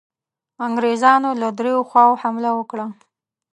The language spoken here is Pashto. انګرېزانو له دریو خواوو حمله وکړه.